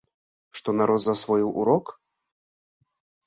Што народ засвоіў урок?